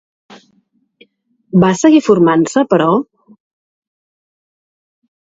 Va seguir formant-se, però?